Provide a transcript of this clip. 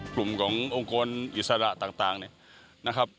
กลุ่มขององค์กรอิสระต่างเนี่ยนะครับ